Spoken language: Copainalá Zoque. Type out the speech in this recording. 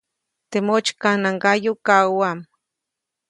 Teʼ motsykanaŋgayu kaʼuʼam.